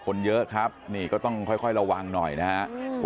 คนเยอะครับนี่ก็ต้องค่อยระวังหน่อยนะครับ